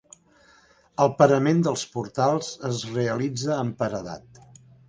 El parament dels portals es realitza amb paredat.